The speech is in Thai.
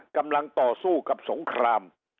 กำลังต่อสู้กับสงคราม